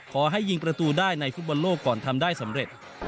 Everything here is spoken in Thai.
ขอให้ยิงประตูได้ในฟุตบอลโลกก่อนทำได้สำเร็จ